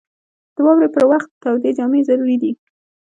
• د واورې پر وخت تودې جامې ضروري دي.